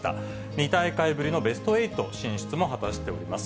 ２大会ぶりのベスト８進出も果たしております。